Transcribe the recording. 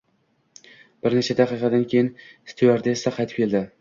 Bir necha daqiqadan keyin styuardessa qaytib keldi